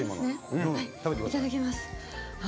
いただきます。